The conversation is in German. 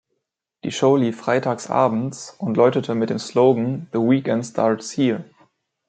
Die Show lief freitags abends und läutete mit dem Slogan "The weekend starts here!